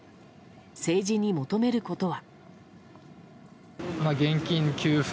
政治に求めることは。